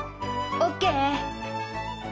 オッケー。